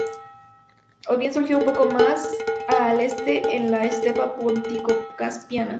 O bien surgió un poco más al este en la estepa póntico-caspiana.